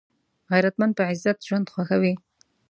غیرتمند په عزت ژوند خوښوي